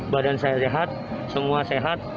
badan saya sehat semua sehat